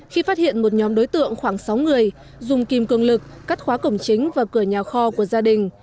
khi phát hiện một nhóm đối tượng khoảng sáu người dùng kim cường lực cắt khóa cổng chính và cửa nhà kho của gia đình